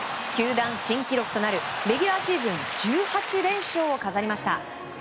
球団新記録となるレギュラーシーズン１８連勝を飾りました。